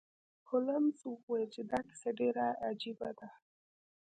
هولمز وویل چې دا کیسه ډیره عجیبه ده.